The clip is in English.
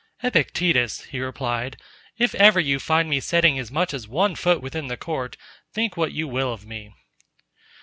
"Epictetus," he replied, "if ever you find me setting as much as one foot within the Court, think what you will of me."